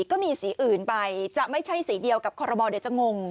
ก็มีสีอื่นไปจะไม่ใช่สีเดียวกับคอรมอลเดี๋ยวจะงง